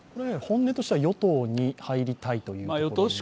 本音としては与党に入りたいということ？